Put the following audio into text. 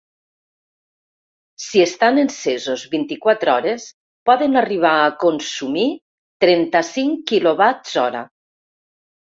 Si estan encesos vint-i-quatre hores poden arribar a consumir trenta-cinc kWh.